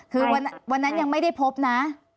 คือวันนั้นยังไม่ได้พบนะ